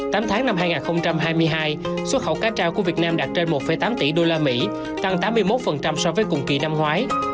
tám tháng năm hai nghìn hai mươi hai xuất khẩu ca tro của việt nam đạt trên một tám tỷ usd tăng tám mươi một so với cùng kỳ năm ngoái